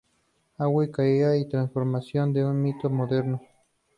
Auge, caída y transformación de un mito moderno".